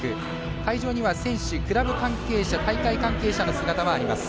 会場には選手、クラブ関係者大会関係者の姿があります。